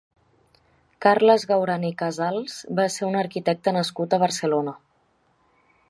Carles Gauran i Casals va ser un arquitecte nascut a Barcelona.